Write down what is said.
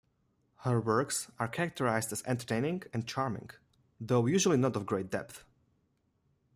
Her works are characterised as entertaining and charming, though usually not of great depth.